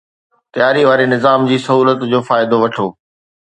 تياري واري نظام جي سهولت جو فائدو وٺو